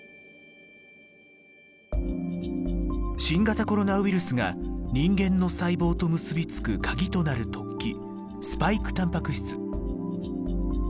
新型コロナウイルスが人間の細胞と結びつくカギとなる突起スパイクたんぱく質。